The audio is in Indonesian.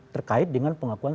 terkait dengan pengakuan